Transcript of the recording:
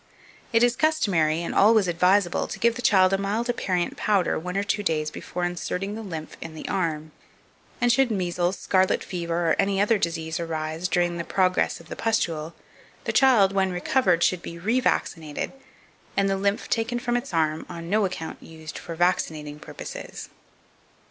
It is customary, and always advisable, to give the child a mild aperient powder one or two days before inserting the lymph in the arm; and should measles, scarlet fever, or any other disease arise during the progress of the pustule, the child, when recovered, should be re vaccinated, and the lymph taken from its arm on no account used for vaccinating purposes.